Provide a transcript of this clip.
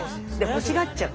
欲しがっちゃう。